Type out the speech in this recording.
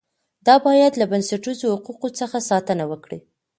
دا باید له بنسټیزو حقوقو څخه ساتنه وکړي.